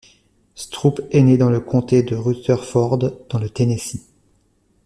Stroop est né dans le comté de Rutherford dans le Tennessee.